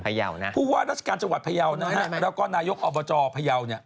พยาวนะพูดว่ารัชกาลจังหวัดพยาวและก็นายกอบจพยาว